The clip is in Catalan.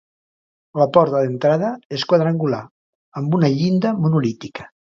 La porta d'entrada és quadrangular, amb una llinda monolítica.